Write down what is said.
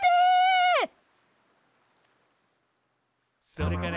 「それから」